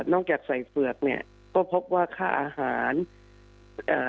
จากใส่เฝือกเนี้ยก็พบว่าค่าอาหารอ่า